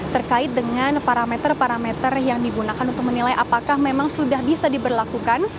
terkait dengan parameter parameter yang digunakan untuk menilai apakah memang sudah bisa diberlakukan